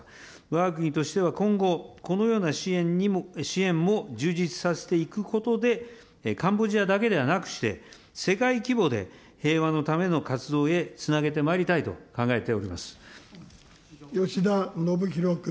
わが国としては今後、このような支援も充実させていくことで、カンボジアだけではなくして、世界規模で平和のための活動へつなげてまいりたいと考えておりま吉田宣弘君。